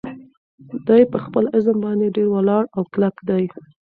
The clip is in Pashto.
دی په خپل عزم باندې ډېر ولاړ او کلک دی.